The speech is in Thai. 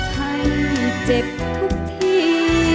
ให้เจ็บทุกที